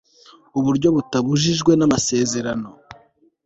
uburyo butabujijwe n amasezerano